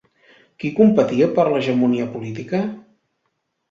Qui competia per l'hegemonia política?